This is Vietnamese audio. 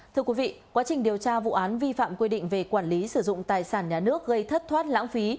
thưa quý vị quá trình điều tra vụ án vi phạm quy định về quản lý sử dụng tài sản nhà nước gây thất thoát lãng phí